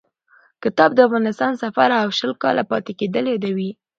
کتاب د افغانستان سفر او شل کاله پاتې کېدل یادوي.